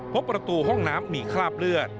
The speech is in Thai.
พบประตูห้องน้ำมีคราบเลือด